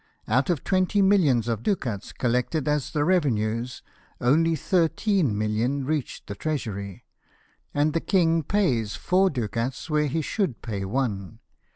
Out of twenty milhons of ducats collected as the revenue only thirteen millions reach the treasury, and the king pays four N 2 196 LIFE OF NELSON, ducats where he should pay one.